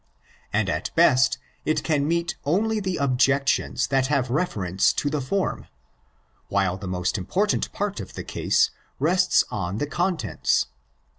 And at best it can meet only the objections that have reference to the form ; while the most important part of the case rests on the contents.